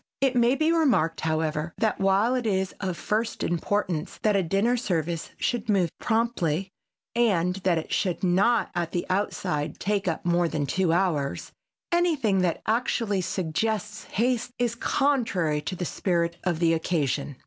It may be remarked, however, that while it is of first importance that a dinner service should move promptly and that it should not at the outside take up more than two hours, anything that actually suggests haste is contrary to the spirit of the occasion.